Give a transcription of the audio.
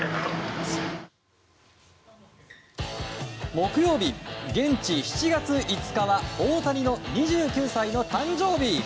木曜日、現地７月５日は大谷の２９歳の誕生日。